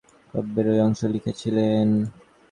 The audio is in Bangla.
মাইকেল সেইভাবে অনুপ্রাণিত হয়ে কাব্যের ঐ অংশ লিখেছিলেন।